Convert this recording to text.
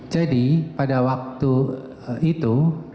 jadi pada waktu itu